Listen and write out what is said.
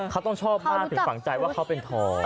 เขาต้องชอบมากถึงฝังใจว่าเขาเป็นท้อ